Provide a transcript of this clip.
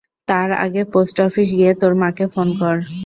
তার আগে post office গিয়ে তোর মাকে ফোন কর।